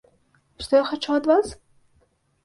Што я хачу ад вас?